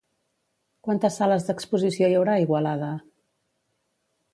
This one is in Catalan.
Quantes sales d'exposició hi haurà a Igualada?